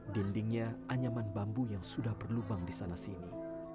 dindingnya anyaman bambu yang sudah berlubang di sana sini